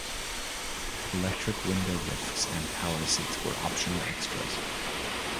Electric window-lifts and power seats were optional extras.